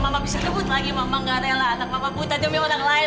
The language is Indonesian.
mama bisa kebut lagi mama gak rela anak mama buta jembatan orang lain